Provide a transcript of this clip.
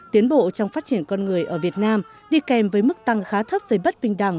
tiến bộ trong phát triển con người ở việt nam đi kèm với mức tăng khá thấp với bất bình đẳng